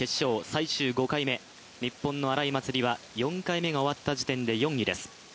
最終５回目、日本の荒井祭里は４回目が終わった時点で４位です。